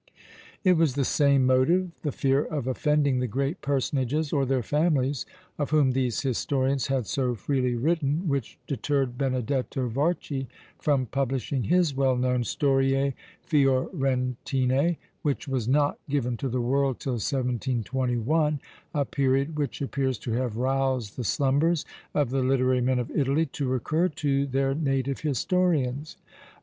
It was the same motive, the fear of offending the great personages or their families, of whom these historians had so freely written, which deterred Benedetto Varchi from publishing his well known "Storie Fiorentine," which was not given to the world till 1721, a period which appears to have roused the slumbers of the literary men of Italy to recur to their native historians.